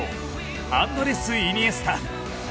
アンドレス・イニエスタ。